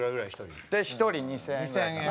大体１人２０００円ぐらいかな。